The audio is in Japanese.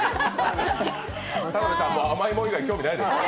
田辺さん、甘いもの以外興味ないですか？